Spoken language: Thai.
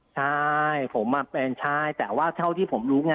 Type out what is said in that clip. ใช่ผมแฟนใช่แต่ว่าเท่าที่ผมรู้ไง